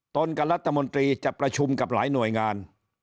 กับรัฐมนตรีจะประชุมกับหลายหน่วยงาน